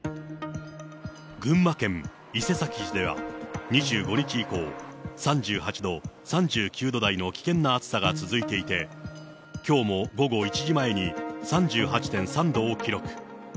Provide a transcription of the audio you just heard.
群馬県伊勢崎市では、２５日以降、３８度、３９度台の危険な暑さが続いていて、きょうも午後１時前に３８．３度を記録。